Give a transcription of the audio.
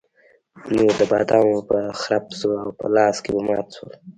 نو د بادامو به خرپ شو او په لاس کې به مات شول.